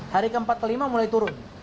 hari ke empat ke lima mulai turun